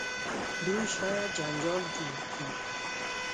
دوی شاید جنجال جوړ کړي.